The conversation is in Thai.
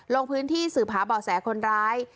ลงพื้นที่สืบหาเบาะแสคนร้าย